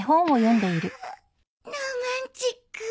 ああロマンチック。